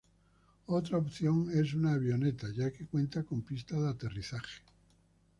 Otra opción es una avioneta, ya que se cuenta con pista de aterrizaje.